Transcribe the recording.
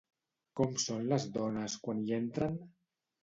Com són les dones quan hi entren?